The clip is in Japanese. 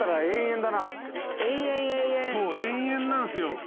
永遠なんすよ。